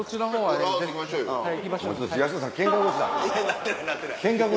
なってないなってない。